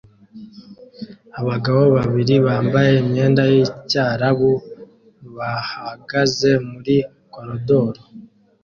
Abagabo babiri bambaye imyenda yicyarabu bahagaze muri koridoro